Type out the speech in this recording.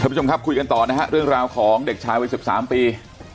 ผู้ชมครับคุยกันต่อนะฮะเรื่องราวของเด็กชายวัย๑๓ปี